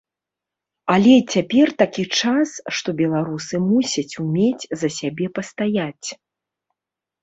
Але цяпер такі час, што беларусы мусяць умець за сябе пастаяць.